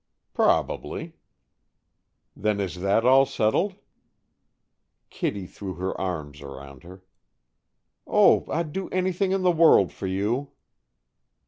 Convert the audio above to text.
"Probably." "Then is that all settled?" Kittie threw her arms around her. "Oh, I'd do anything in the world for you."